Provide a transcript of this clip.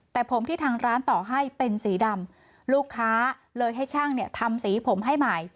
แต่ผมที่ทางร้านต่อให้เป็นสีดำลูกค้าเลยให้ช่างเนี่ยทำสีผมให้ใหม่